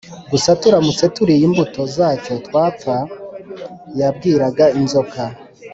Gusa Turamutse turiye imbuto zacyo twapfa yabwiraga Inzoka